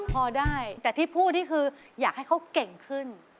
พอได้แต่ที่พูดนี่คืออยากให้เขาเก่งขึ้น